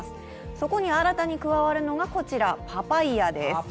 そこに新たに加わるのがこちら、パパイヤです。